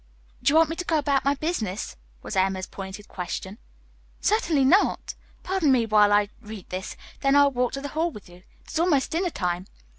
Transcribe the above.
"Do you want me to go on about my business?" was Emma's pointed question. "Certainly not. Pardon me while I read this. Then I'll walk to the Hall with you. It is almost dinner time."